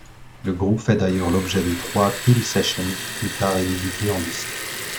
Le groupe fait d'ailleurs l'objet de trois Peel Sessions, plus tard éditées en disque.